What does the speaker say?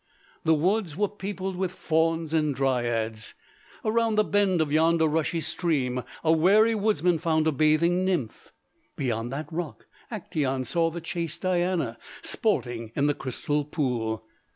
The woods were peopled with fauns and dryads. Around the bend of yonder rushy stream, a wary woodsman found a bathing nymph. Beyond that rock Actæon saw the chaste Diana sporting in the crystal pool.